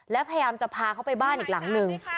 แล้วพยายามจะพาเขาไปบ้านอีกหลังหนึ่ง